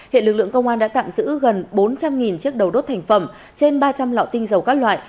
hiện lực lượng công an đã tạm giữ gần bốn trăm linh chiếc đầu đốt thành phẩm trên ba trăm linh lọ tinh dầu các loại